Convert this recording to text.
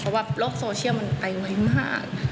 เพราะว่าโลกโซเชียลมันไปไวมาก